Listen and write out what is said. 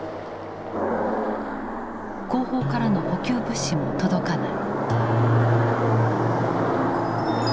後方からの補給物資も届かない。